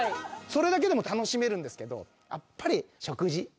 それだけでも楽しめるんですけどやっぱり。